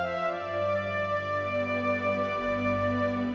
aku antar kamu pulang